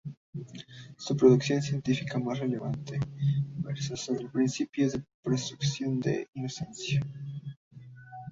Su producción científica más relevante versa sobre el principio de presunción de inocencia.